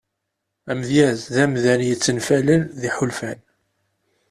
Amedyaz d amdan yettenfalen d iḥulfan.